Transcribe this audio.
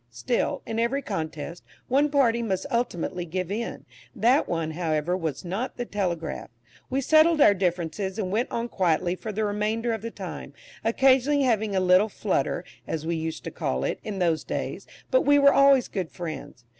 Still, in every contest, one party must ultimately give in; that one, however, was not the "Telegraph." We settled our differences, and went on quietly for the remainder of the time, occasionally having a little "flutter," as we used to call it in those days, but we were always good friends.